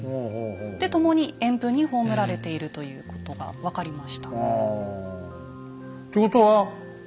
で共に円墳に葬られているということが分かりました。